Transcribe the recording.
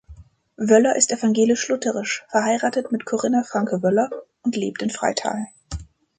Wöller ist evangelisch-lutherisch, verheiratet mit Corinna Franke-Wöller und lebt in Freital.